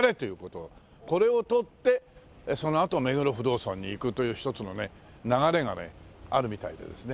これを取ってそのあと目黒不動尊に行くという一つのね流れがねあるみたいでですね。